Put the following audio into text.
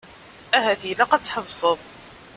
Ahat ilaq ad tḥebseḍ.